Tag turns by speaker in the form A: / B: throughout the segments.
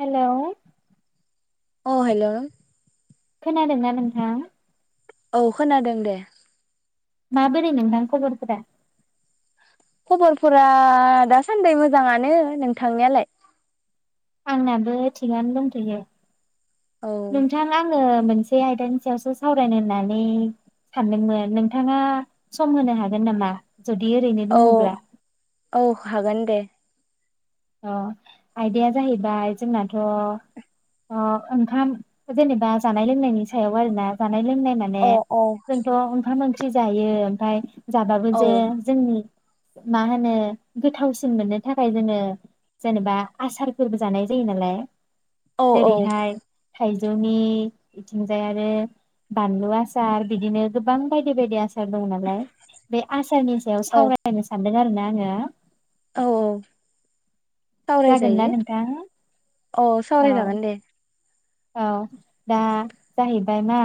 A: Hello
B: अ hello
A: खोनादोंना नोंथां?
B: औ खोनादों दे।
A: माबोरै नोंथां खबरफोरा?
B: खबरफोरा दासान्दै मोजाङानो। नोंथांनियालाय?
A: आंनाबो थिगानो दोनथयो।
B: औ
A: नोंथां आं ङो मोनसे आयदानि सायावसो सावरायनो होननानै सानदोंमोन। नोंथाङा सम होनो हागोन नामा? जुदि ओरैनो
B: औ
A: दङब्ला
B: औ हागोन दे
A: अ आयदाया जाहैबाय जोंनाथ' अओंखाम जेनेबा जानाय लोंनायनि सायाव आरोना ज नाय लोंनाय माने
B: अ अ औ
A: जोंथ ओंखाम ख्रि जायो ओमफाय जाबाबो
B: औ
A: जे जोंनि मा होनो गोथावसिन मोननो थाखाय जोङो जेनेबा आसारफोरबो जानाय जायो नालाय
B: औ औ
A: जेरैहाय थाइजौनि बिथिंजाय आरो बानलु आसार बिदिनो गोबां बायदि बायदि आसा सार दं नालाय बे आसारनि सायाव सावरायनो सान दों आरोना आङो
B: औ औ सावराय
A: जागोन ना
B: जायो
A: नोंथां
B: औ सावराय जागोन दे।
A: औ दा जाहैबाय मा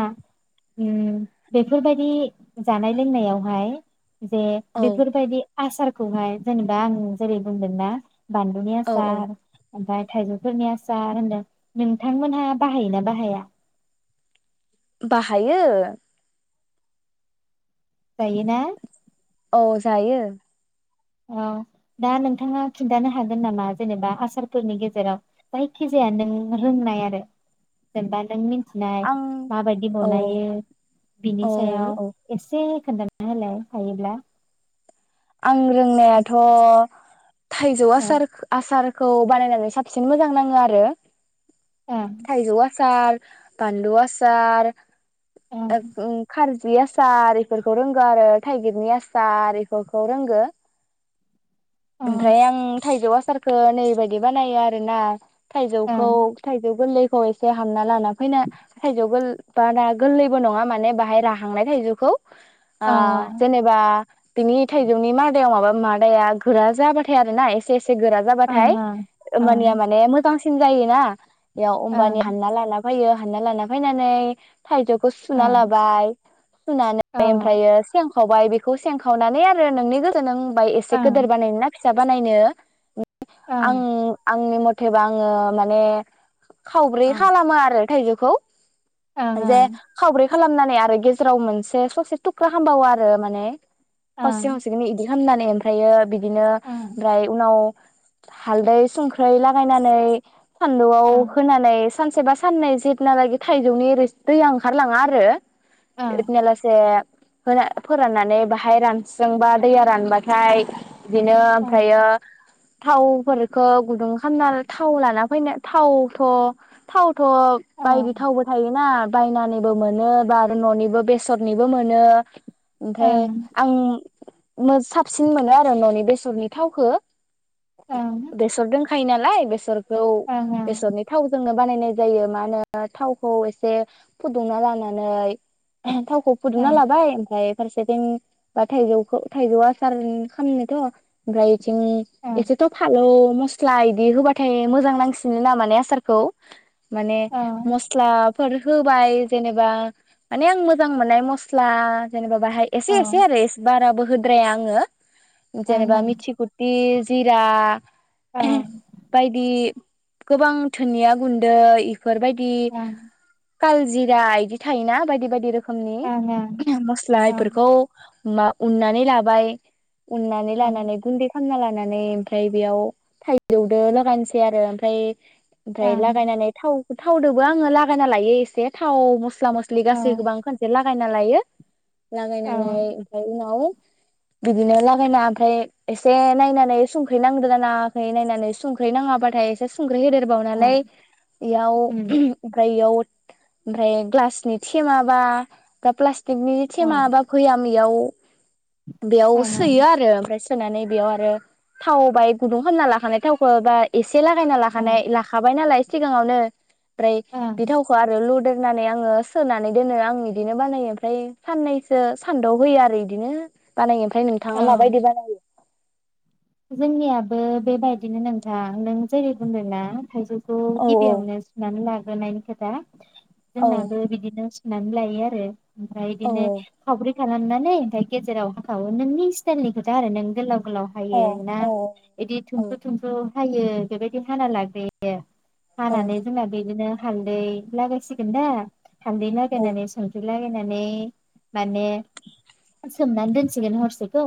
A: उम बेफोरबायाददि जानाय लोंनायावहाय जे
B: औ
A: बेफोरबायदि आसारखौहाय जेनेबा आं जेरै बुंदोंना बानलु
B: औ औ
A: सार ओमफाय थाइजौफोरनि आसार होनदों नोंथांमोनहा बाहायोना बाहाया?
B: बाहायो
A: जायो ना?
B: औ जायो।
A: औ दा नोंथाङा खिन्थानो हागोन नामा? जेनेबा आसारफोरनि गेजेराव जायखिजाया नों रोंनाय आरो जेनेबा नों मिन थिनाय
B: आं
A: माबायदि
B: औ
A: बनायो
B: औ
A: बिनि सायाव
B: औ
A: एसे [unintelligible] हायोब्ला
B: आं रोंनायाथ' थायजौ
A: औ
B: आसारख आसार खौ बानायनानै साबसिन मोजां नाङो आरो।
A: ओं
B: थायजौ आ सार बानलु आसार
A: ओं
B: ओ ओ खारजि जि आसार इफोरखौ रोंगौ आरो थाइगिरनि आसार इ फोरखौ रोंगो
A: ओं
B: ओमफ्राय आं थाइजौ आसारखौ नैबायाददि बानायो आरो ना थाइजौखौ
A: ओं
B: थाइजौ गोरलै खौ एसे हानना लाना फैना थाइजौ गोल बारा गोल्लैबो नङा माने बाहाय राहांनाय थायजौखौ आ
A: औ
B: जेनेबा बिनि थाइजौनि मादायाव माबा मादाया गोरा जाबाथाय आर ना एसे एस एसे गोरा
A: औ ओं
B: जाबाथाय मानिया
A: ओं
B: माने मोजांसि जायोना बेयाव अमबानि
A: ओं
B: हानना लाना फैयो हानना लाना फैनानै थाइजौखौ सुना
A: ओं
B: लाबाय सुनानै
A: ओं
B: ओमफ्रायो सें खावबाय बेखौे सें खावनानै आरो नोंनि गोसो नों एसे
A: औ ओं
B: गोदोन बानायनो ना फि फिसा बानायनो आं आंनि मथ गोबां माने खावब्रै
A: ओं
B: खालामो आरो थाइजौखौ
A: ओं
B: खौ जे खावब्रै खालामनानै आरो गेजेराव मोनसे ससे थुख्रा खामबावो आरो माने खावसे
A: ओं
B: खावसे इदि खालामामनानै ओमफ्रायायो बि बिदिनो
A: ओं
B: ओमफ्राय उनाव हालदै संख्रै लागायनानै सान्दुंआव
A: ओं
B: होनानै सानसेबा साननै जेबलागि थाइजौनि रोसि दैया ओंखारलाङा आरो इदिनालासे। होन फोराननानै बाहाय हाय रानस्रेबा दैया रानबाथाय। बिदिनो
A: ओं ओं
B: ओमफ्रायो थावफोरखौ गुदुं खालामना थाव लाना फैना थावथ' थाव थ बायदि थावबो थायोना। बायनानैबो मोनो बा आरो ननिबो बेसरनिबो मोनो ओमफ्राय
A: ओं
B: आं साबसिन मोनो आरो ननि बेसरनि थावखौ।
A: ओं
B: बेसर दोन दंखायो नालाय बेसर
A: ओं
B: बेसरनि थावजोंनो बानायनाय जायो मा होनो थावखौ एसे फुदुंना लानानै। [unintelligible] थावखौ फुदुंना
A: ओं ओं
B: लाबाय ओमफ्राय। फारसेथिं बा थाइजौखौ थाइजौ आसार खालामनोथ ओमफ्राय
A: ओं
B: एसेथ' फालौ। मस्ला इदि होबाथाय मोजां नांसिनो ना माने आसारखौ। माने
A: औ
B: मस्ला। फोर होबाय जेनेबा माने आं मोजां मोननाय मस्ला जेनेबा बाहाय एसे
A: ओं
B: ए बाराबो होद्राया आङो
A: ओं
B: जेनेबा मिथि गुटि जिरा -
A: ओं
B: बायदि गोबां थुननिया गुन्दै। फोर बायदि
A: ओं ओं
B: कालजिरा बिदि थायोना बायदि बायदि रोखोम
A: ओं
B: खोमनि मस्ला
A: ओं
B: बेफोरखौ। उननानै लाबाय। उननानै
A: ओं
B: लानानै गुन्दै फोनना लानानै ओमफाय बेयाव थाइजौजों लागायसै आरो ओमफाय ओमफ्राय
A: ओं
B: लागायनानै थाव थावजोंबो आङो लागायना लायो एसे थाव स्ला मस
A: ओं
B: गासैखौबोा खसे ला फायना लायो। ओ
A: औ
B: ओमफ्राय उनाव। बिदिनो लागायना ओमफ्राय एसे नायनानै संख्रै नांदो नाङाखै नायनानै संख्रै नाङाबाथाय एसे सु ख्रि
A: ओं
B: होदेरबावनानै बेयाव ओ
A: उम
B: ओमफ्राय इयाव ओमफ्राय ग्लासनि थेमाबा बा प्लास्टिक [unintelligible]
A: औ
B: थेमा बा गैयामिवाव बेयाव
A: ओं
B: सोयो
A: ओं
B: आरो ओमफ्राय सोनानै बेयाव आरो थाव बाय गुदुं खालामना लाखानाय थावखौ ए से लागायना
A: ओं
B: लाखानाय लाखाबाय नालाय‌‌ सिगाङावनो। फ्राय
A: ओं
B: बिथावखौ आरो लुदो होनानै आङो सोनानै दोनो आं बिदिनो बानायो ओमफ्राय सानै ओ सान्दुआव होयो आरो बिदिनो बानायो ओमफाय
A: औ
B: नोंथाङा माबायदि बानायो?
A: जोंनियाबो बेबायदिनो नोंथां नों जेरै बुंदों ना थायजौ खौ
B: औ
A: गिबि आं सुनानै ला ग्रोनायनि खोथा
B: औ
A: जोंनाबो बिदिनो नानै लायो आरो। ओमफ्राय
B: औ
A: इदिननो साब्रै खालामनानै ओमफ्राय गेजेराव होखावो नोंनि स्टाइलनि खोथा आरो नों गोलाव गोलाव
B: औ
A: फायो ना
B: औ
A: बिदि थुमफ्रु थुमफ्रु हायो बेबायदि हाना लाग्रोयो।
B: औ
A: हानानै जोंना बेदिनो हालदै लागायसिगोन दा हालदै लागायनानै संख्रि लागायनानै माने सोमनानै दोनसिगोन हरसेखौ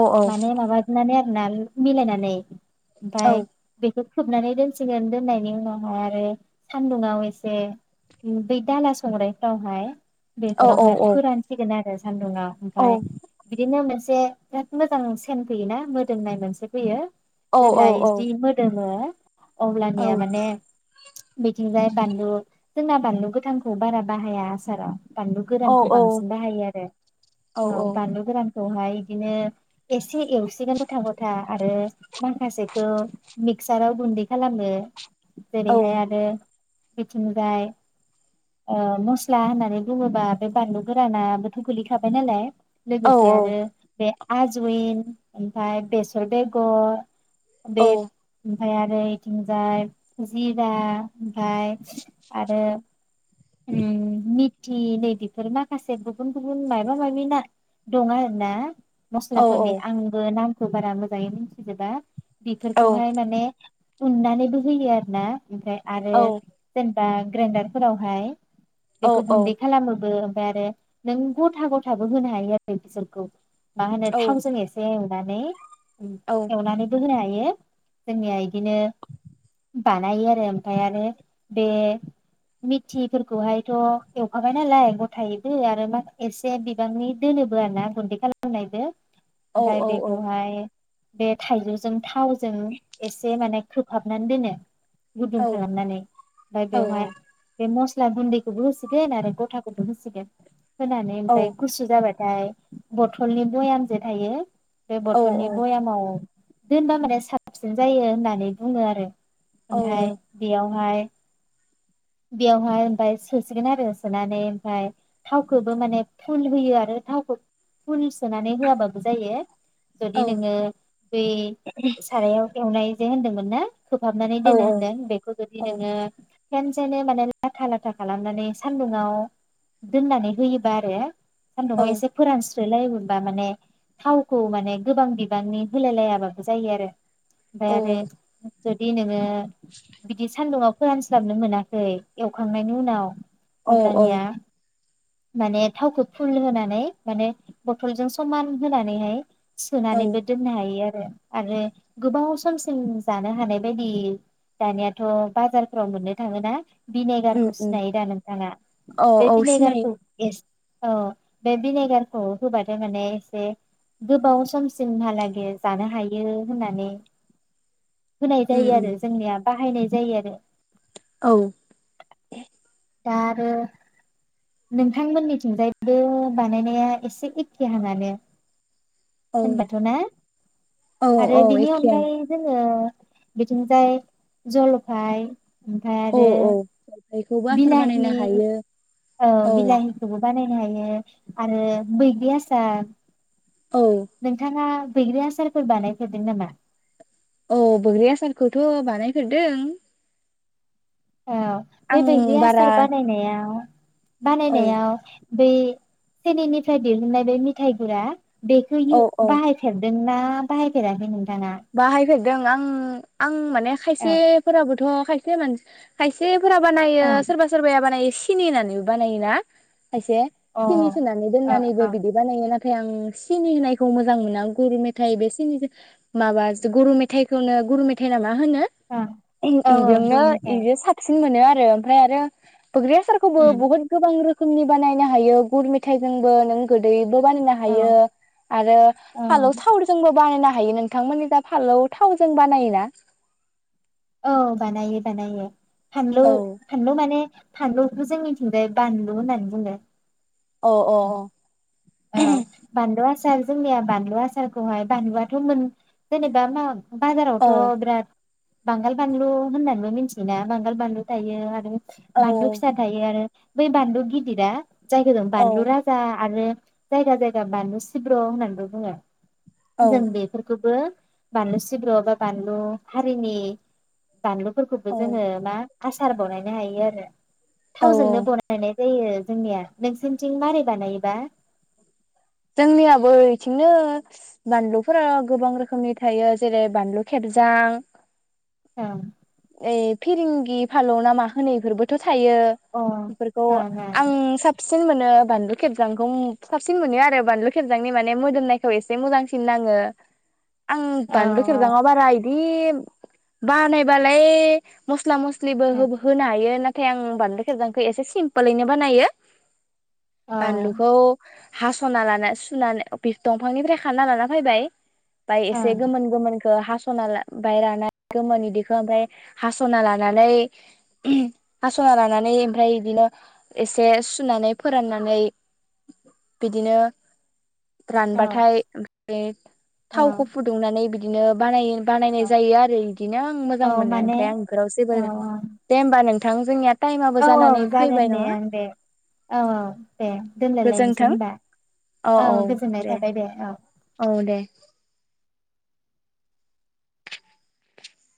B: औ औ
A: नानै आरोना मिलायनानै ओमफ्राय बेखौ खोबनानै दोनसिगोन दोननायनि उनावहाय आरो सान्दुुंवा एसे बै दाला संग्रायफ्रावहाय
B: औ औ
A: बेफोरावहाय
B: औ
A: बेफोरानोसिगोन आरो। सानदुङाव
B: औ
A: ओमफ्राय बिदिनो मेसे बे बिराद मोजां सेन फैयोना मोदोमनाय मोनसे फैयो। जेब्ला इस्दि मोदोमो अब्लानिया माने बिथिंजाय बानलु जोंना बानलु गोथांखौ बारा बाहाया आसाराव। बानलु गोरानखौ बांसिन बाहायो आरो औ बानलु गोरान खौहाय बिदिनो एस से एवसिगोन गथा गथा आरो माखासेखौ मिक्साराव गुन्दै खालामो। जेरैहाय आरो बिथिंजाय अ मस्ला होननानै बुङोबा बे बानलु गोरानाबोथ' गोलिखाबाय नालाय। लोगोसे आरो बे आजविन ओमफ्राय बेसर बेगर देब‌ उम। फाय आरो इथिंजाय जिरा ओमफाय आरो उम मि थि नै बेेफोर माखासे गुबुन गुबुन मायबा माबि ना दं आरो ना मस्लाफोनि बो नामखौ बारा मोजाङै मिथिजोबा बेफोरखौहाय माने उननानैबो होयो आरो ना ओमफाय आरो जों दा ग्रेन्डारफोरावहाय बेखौ गुन्दै खालामोबो फाय आरो नों गथा गथाबो होनो हायो आरो बिसोरखौ मा होनो थाव ए एवनानै उम एवनानैबो होनाय हा यो जोंनिया इदिनो बानायो आरो ओमफाय आरो बे मिथिफोरखौहायथ एवखाबाय नालाय गथायैबो आरो माख एसे बिबांनि दोनोबो आर ना गुन्दै खालामनायबो फाय बेख'हाय बे थाइजौजों थावजों एसे माने खोबहाबनानै दोनो। गुदुं खालामनानै फाय बेवहाय बे मस होया गुन्दैखौबो होसिगोन आरो गथाखौबो होसिगोन होनानै ओमफाय गुसु जाबा फ्राय बथलनि बयामबो थायो बे बथलनि बयामाव दोनबा माने साबसिन जायो होननानै बुङो आरो
B: औ
A: ओमफाय बेयावहाय बेवहाय ओमफाय सोसिगोन आरो सोनानै ओमफाय थावखौबो माने फुल होयो आरो थावखौ फुल सोनानै होआबाबो जायो जुदि नोङो बै सारायाव एवनाय जे होनदोंमोन ना खोबहाबनानै दोनो होनदों बेखौ जुदि नोङो फेन्स सेने माने लाथा लाथा खालामनानै सान्दुआव दोननानै होयोबा आरो सान्दुंयाव एसे फोरानस्रो सोलाय मोनबा माने थावखौ माने गोबां बिबांनि होलाय लायाबाबो जायो आरो ओमफाय आरोे जुदि नोङो बिदि सान्दुंङाव फोरानस्लाबनो मोना। एवखांनायनि उनाव
B: औ
A: अब्लानिया माने थावखौ फुल होनानै माने बथलजों समान होनानैहाय सोनानानैबो दोननो हायो आरो आरो गोबाव समसिम जानो हानाय बायदि दानियाथ' बाजारफ्राव मोननो थाङोना।
B: उम
A: भिनेगारखौ
B: उम
A: सिनायो दा नोंथाङा?
B: औ
A: बे
B: औ सिनायो
A: भिनेगारखौ एसे औ बे भिनेगारखौ होबाथाय माने एसे गोबाव समसिमहालागै जानो हायो होननानै होनाय
B: उम
A: जायो
B: उम
A: आरो जोंनिया बाहायनाय जायो आरो
B: औ
A: दा आरो नोंथांमोननिथिंजायबो बानायनाया एसे एखखेहांआनो।
B: औ
A: होनबाथ' ना
B: औ
A: आरो
B: औ
A: बिनि
B: एखेयानो
A: अनगायै जोङो बिथिंजाय जलफाय ओमफ्राय
B: औ
A: आरो
B: औ बेखौबो आसार बानायनो हायो।
A: ओ
B: औ
A: बिलााहिखौबो बानायनो हायो आरो बैग्रि आसार
B: औ
A: नोंथाङा? बैग्रि आसारफोर बानायफेरदों नामा?
B: औ बैग्रि आसारखौथ' बानायफेरदों।
A: औ बे
B: आं
A: बैग्रि
B: बारा
A: आसार बानायनायाव
B: औ
A: बानायनायाव बे सिनिनिफ्राय दिहुननाय बे मिथाय गुरा बेखौ
B: औ
A: इउ
B: औ
A: बाहायफेरदों? ना बाहायफेराखै नोंथां
B: बाहायफेरदों आं आं माने
A: औ
B: खायसेफोराबोथ' खायसे सेमोन खायसे फोरा बानायो
A: औ
B: सोरबा सोरबाया बानायो सिनि होनानै बानायोना? खायसे
A: अ ओ
B: सिनि सोनानै
A: ओ
B: दोननानैबो
A: ओ
B: बिदि बानायोना? नाथाय आं सिनि होनायखौ मोजां मोना गुर मेथाइ बे सिनिजों माबा सो गुरु मेथाइखौनो गुर मेथाइ नामा मा होनो ओहोम
A: औ
B: बिजोंनो
A: गुर मेथाइ
B: बिजों साबसिन मोनो आरो ना। [unintelligible] ओमफ्राय आरो बैग्रि आसारखौबो
A: उम
B: बहुत गोबां रोख रोखोमनि बानायनो हायो गुर मेथाइजोंबो नों गोदै बो बानायनो
A: औ
B: हायो आरो
A: ओं
B: फालौ संख्रिजोंबो बानायनो हायो। हायो नों बिथांमोननि जा फालौ थावजों बानायोना?
A: औ बानायो बानायो। फानलौ
B: औ
A: फानलौ माने? फानलुखौ जोंनिथिंजाय बानलु होननानै बुङो।
B: अह - अह
A: औ बानलु आसार आसार जोंनिया बानलु आसारखौहाय बानलुआथ' मोन जेनेबा मा
B: अ औ
A: बाजारावथ बिराद बांगाल बानलु होननानैबो मिथियोना बांगाल बानलु थायो आरो
B: औ
A: बानलु फिसा थायो आरो बै बानलु गिदिरा जायखौ जों
B: औ
A: बानलु राजा आरो जायगा जायगा बानलु सिब्र होननानैबो बुङो।
B: औ
A: जों बेफोरखौबो बानलु सिब्र बा बानलु हारिनि बानलुफोरखौबो
B: औ
A: जोङो मा आसार बनायनो हायो आरो थावजोंनो
B: औ
A: बानायनाय जायो जोंनिया नोंसोरनिथिं मारै बानायोबा?
B: जोंनियाबो बिथिंनो बानलुफोरा गोबां रोखोमनि थायो जेरै बानलु खेबजां
A: औ
B: ए फिरिेंगि फानलौ ना मा होनो बेफोरबोथ' थायो
A: ओं
B: बेफोरखौ
A: अ
B: आं साबसिन मोनो बानलु खेबजांखौ ओम साबसिन मोनो आरो बानलु खेबजांनि माने मोदोमनायखौ एसे मोजांसिन नाङो। आं
A: ओं
B: बानलु खेबजाङाव बारा बि बानाय बालाय मस्ला-मस्लि मस्लिबो होबो -होनो हायो ना नाथाय आं बानलु खेबजांखौ एसे सिम्पोलैनो बानायो
A: औ
B: बानलुखौ हास'ना लाना सुनानै दंफांनिफ्राय खाना लाना फैबाय बाय एसे
A: ओं
B: गोमोन गोमोन हासना [inaudible] बाय [inaudible] [unintelligible] रानाय गोमोनि दिखौ ओमफ्राय हासना लानानै हासना लानानै ओमफ्राय बिदिनो एसे सुनानै फोराननानै बिदिनो
A: औ
B: रानबाथाय ए थावखौ
A: औ
B: फुदुंनानै बिदि बिदिनो बानायो। बानायनाय जायो आरो इदिनो ओं मो
A: औ
B: मोजां मोनो
A: माने
B: ओमफाय आं इफोराव जेबो
A: औ
B: दे होनबा होमब्ला नोंथां जोंनिया। टाइमाबो
A: औ औ
B: जानानै
A: जागोन
B: फैबाय
A: दे
B: नङा
A: आं दे औ औ दे दोनलायलायनोसै
B: गोजोन्थों
A: होनबा औ गोजोननाय थाबाय दे औ।
B: औ दे